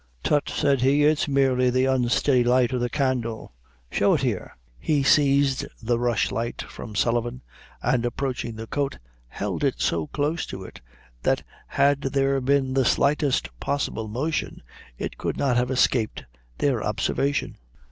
"Tut," said he, "it's merely the unsteady light of the candle; show it here." He seized the rushlight from Sullivan, and approaching the coat, held it so close to it, that had there been the slightest possible motion, it could not have escaped their observation.